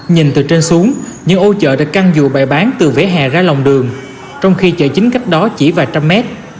nhìn từ trên xuống những ô chợ đã căng dụ bày bán từ vỉa hè ra lòng đường trong khi chợ chính cách đó chỉ vài trăm mét